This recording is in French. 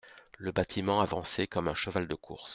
Le bâtiment avançait comme un cheval de course.